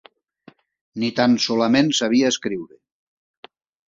Ni tan solament sabia escriure.